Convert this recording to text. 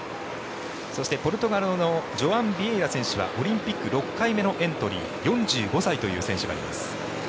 そしてポルトガルのジョアン・ビエイラ選手はオリンピック６回目のエントリー４５歳という選手がいます。